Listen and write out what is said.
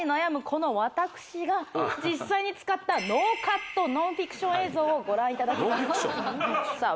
この私が実際に使ったノーカットノンフィクション映像をご覧いただきますさあ